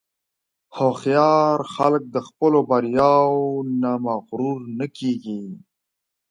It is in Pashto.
هوښیار خلک د خپلو بریاوو نه مغرور نه کېږي.